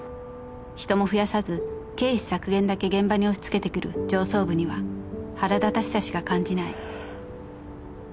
［人も増やさず経費削減だけ現場に押し付けてくる上層部には腹立たしさしか感じない］